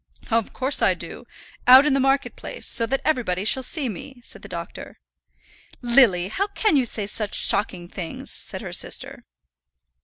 "Of course I do out in the market place, so that everybody shall see me," said the doctor. "Lily, how can you say such shocking things?" said her sister.